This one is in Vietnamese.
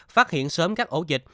phát hiện sớm các ổ dịch